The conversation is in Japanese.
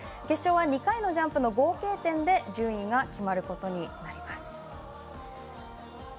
決勝は２回のジャンプの合計点で順位が決まることになります。